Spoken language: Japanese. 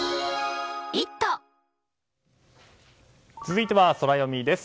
続いてはソラよみです。